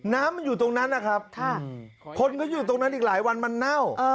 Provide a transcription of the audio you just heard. น้ำมันอยู่ตรงนั้นนะครับคนก็อยู่ตรงนั้นอีกหลายวันมันเน่า